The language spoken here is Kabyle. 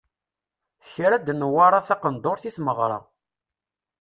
Tekra-d Newwara taqendurt i tmeɣra.